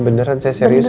beneran saya serius aja